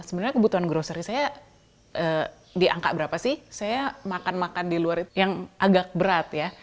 sebenarnya kebutuhan grocery saya di angka berapa sih saya makan makan di luar yang agak berat ya